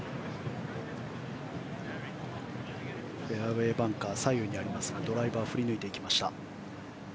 フェアウェーバンカー左右にありますがドライバーを振り抜きました。